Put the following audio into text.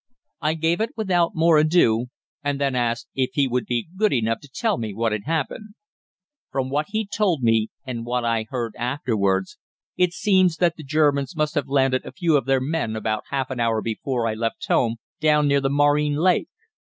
I gave it without more ado, and then asked if he would be good enough to tell me what had happened. From what he told me, and what I heard afterwards, it seems that the Germans must have landed a few of their men about half an hour before I left home, down near the Marine Lake.